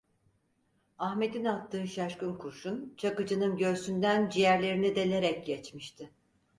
Ahmet'in attığı şaşkın kurşun, Çakıcı'nın göğsünden ciğerlerini delerek geçmişti.